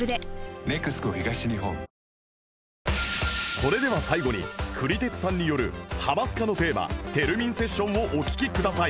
それでは最後にクリテツさんによる『ハマスカのテーマ』テルミンセッションをお聴きください